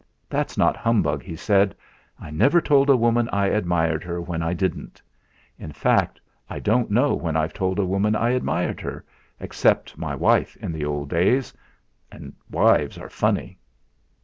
"That's not humbug," he said. "I never told a woman I admired her when I didn't. In fact I don't know when I've told a woman I admired her, except my wife in the old days; and wives are funny."